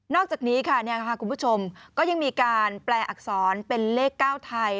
อกจากนี้ค่ะคุณผู้ชมก็ยังมีการแปลอักษรเป็นเลข๙ไทย